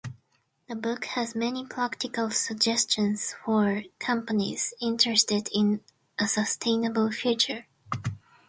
The book has many practical suggestions for companies interested in a sustainable future.